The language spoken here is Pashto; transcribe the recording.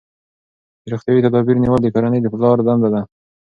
روغتیايي تدابیر نیول د کورنۍ د پلار دنده ده.